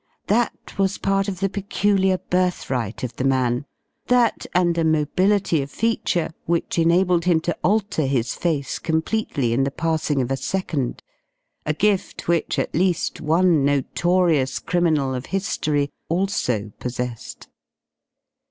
That was part of the peculiar birthright of the man, that and a mobility of feature which enabled him to alter his face completely in the passing of a second, a gift which at least one notorious criminal of history also possessed.